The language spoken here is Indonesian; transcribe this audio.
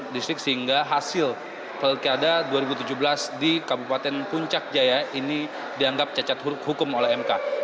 distrik sehingga hasil pilkada dua ribu tujuh belas di kabupaten puncak jaya ini dianggap cacat hukum oleh mk